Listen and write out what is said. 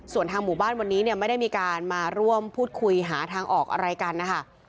ส่วนทางหมู่บ้านวันนี้เนี่ยไม่ได้มีการมาร่วมพูดคุยหาทางออกอะไรกันนะคะ